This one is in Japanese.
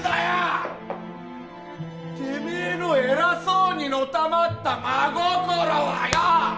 ッてめえの偉そうにのたまった真心はよ！